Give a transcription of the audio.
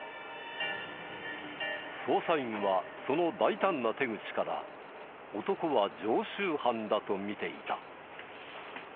捜査員はその大胆な手口から男は常習犯だと見ていた。